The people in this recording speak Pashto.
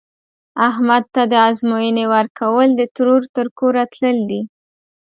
احمد ته د ازموینې ورکول، د ترور تر کوره تلل دي.